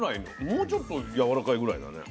もうちょっとやわらかいぐらいだね。